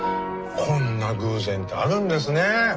こんな偶然てあるんですねえ。